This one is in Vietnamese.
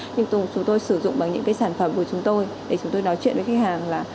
nhưng chúng tôi sử dụng bằng những cái sản phẩm của chúng tôi để chúng tôi nói chuyện với khách hàng là